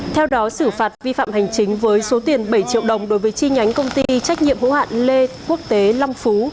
theo đó xử phạt vi phạm hành chính với số tiền bảy triệu đồng đối với chi nhánh công ty trách nhiệm hữu hạn lê quốc tế long phú